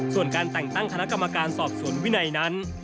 ส่วนการแต่งตั้งคณะกรรมการสอบสวนวินัยนั้น